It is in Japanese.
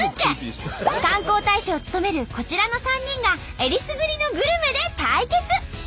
観光大使を務めるこちらの３人がえりすぐりのグルメで対決。